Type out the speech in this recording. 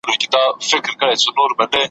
د داسي قوي شخصیت خاوند وو ,